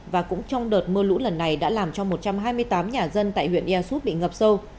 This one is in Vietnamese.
và cũng trong đợt mưa lũ lần này đã làm cho một trăm hai mươi tám nhà dân tại huyện ia súp bị ngập sâu